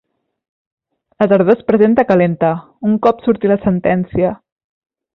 La tardor es presenta calenta, un cop surti la sentència.